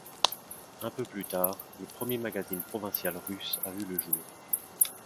Un peu plus tard, le premier magazine provincial russe a vu le jour.